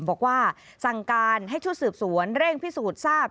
บอกว่าสั่งการให้ชุดสืบสวนเร่งพิสูจน์ทราบ